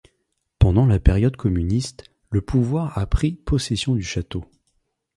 Pendant la période communiste, le pouvoir a pris possession du château.